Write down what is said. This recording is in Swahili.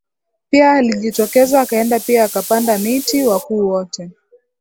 pia alijitokeza akaenda pia akapanda miti wakuu wote